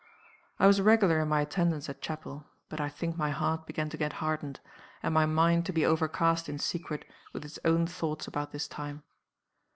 I was regular in my attendance at chapel; but I think my heart began to get hardened, and my mind to be overcast in secret with its own thoughts about this time.